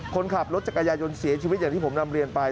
คนขับรถจักรยายนเสียชีวิตอย่างที่ผมนำเรียนไป